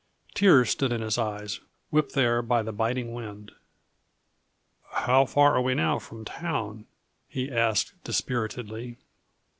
Tears stood in his eyes, whipped there by the biting wind. "How far are we now from town?" he asked dispiritedly.